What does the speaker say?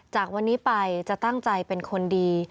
จากวันนี้ไปจะตั้งใจเป็นคนดี